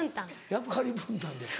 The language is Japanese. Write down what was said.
役割分担で。